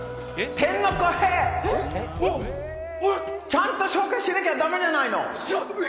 天の声、ちゃんと紹介しなきゃだめじゃないの！